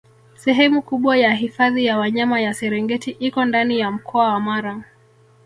Sehemu kubwa ya hifadhi ya Wanyama ya Serengeti iko ndani ya mkoa wa Mara